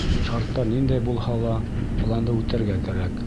Шарттар ниндәй булһа ла, планды үтәргә кәрәк.